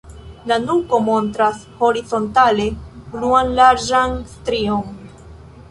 La nuko montras horizontale bluan larĝan strion.